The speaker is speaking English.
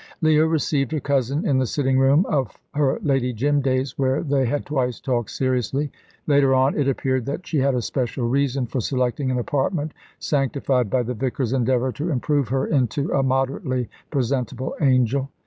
Leah received her cousin in the sitting room of her Lady Jim days, where they had twice talked seriously. Later on it appeared that she had a special reason for selecting an apartment sanctified by the vicar's endeavour to improve her into a moderately presentable angel.